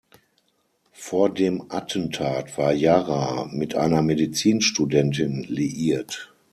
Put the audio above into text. Vor dem Attentat war Jarrah mit einer Medizinstudentin liiert.